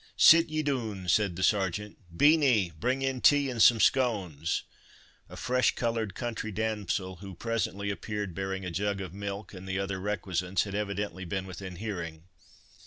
"Sit ye doon," said the Sergeant—"Beenie, bring in tea, and some scones." A fresh coloured country damsel, who presently appeared bearing a jug of milk and the other requisites, had evidently been within hearing.